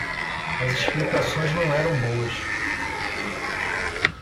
As explicações não eram boas.